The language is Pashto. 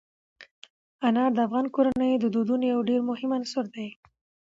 انار د افغان کورنیو د دودونو یو ډېر مهم عنصر دی.